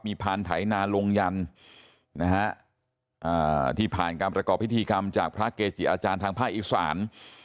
มีพานไถนาลงยันนะฮะที่ผ่านการประกอบพิธีกรรมจากพระเกจิอาจารย์ทางภาคอีสาน